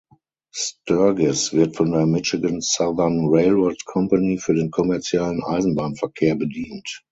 Sturgis wird von der Michigan Southern Railroad Company für den kommerziellen Eisenbahnverkehr bedient.